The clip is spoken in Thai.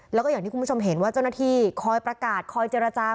แล้วก็อย่างที่คุณผู้ชมเห็นว่าเจ้าหน้าที่คอยประกาศคอยเจรจา